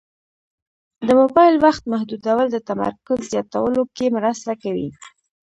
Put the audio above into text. د موبایل وخت محدودول د تمرکز زیاتولو کې مرسته کوي.